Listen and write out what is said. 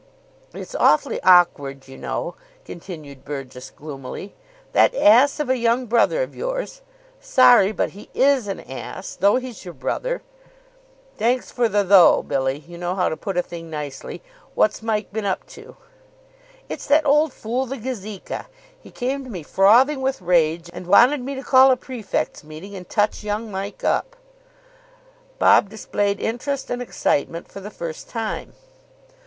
"It's awfully awkward, you know," continued Burgess gloomily; "that ass of a young brother of yours Sorry, but he is an ass, though he's your brother " "Thanks for the 'though,' Billy. You know how to put a thing nicely. What's Mike been up to?" "It's that old fool the Gazeka. He came to me frothing with rage, and wanted me to call a prefects' meeting and touch young Mike up." Bob displayed interest and excitement for the first time.